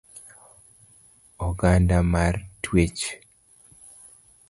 Okanda mar twech